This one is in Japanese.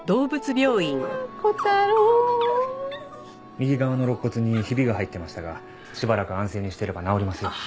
右側の肋骨にヒビが入っていましたがしばらく安静にしていれば治りますよ。